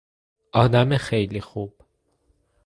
آدم خیلی خوب